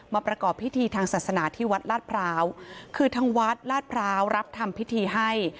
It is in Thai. ประกอบพิธีทางศาสนาที่วัดลาดพร้าวคือทางวัดลาดพร้าวรับทำพิธีให้